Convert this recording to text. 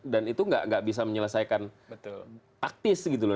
dan itu nggak bisa menyelesaikan taktis gitu loh